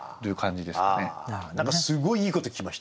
何かすごいいいこと聞きました。